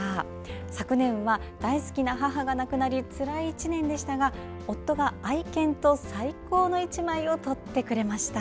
昨年は大好きな母が亡くなりつらい１年でしたが夫が、愛犬と最高の１枚を撮ってくれました。